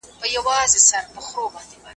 نور هېوادونه به له موږ تقلید کوي.